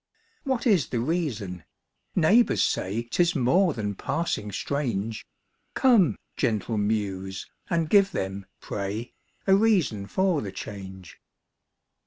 What is the reason ? â neighbours say 'Tis more than passing strange. Come, gentle muse, and give them, pray, A reason for the change.